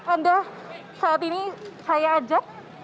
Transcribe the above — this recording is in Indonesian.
anda saat ini saya ajak